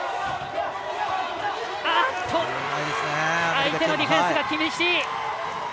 相手のディフェンスが厳しい。